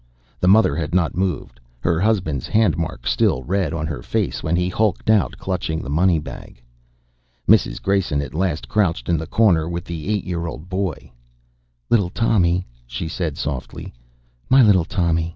The mother had not moved; her husband's handmark was still red on her face when he hulked out, clutching the money bag. Mrs. Grayson at last crouched in the corner with the eight year old boy. "Little Tommy," she said softly. "My little Tommy!